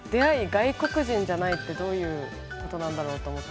「外国人じゃない」ってどういうことなんだろうと思って。